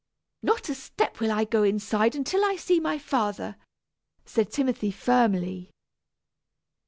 "Not a step will I go inside until I see my father," said Timothy firmly.